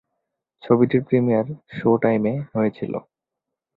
ছবিটির প্রিমিয়ার শো-টাইমে হয়েছিল।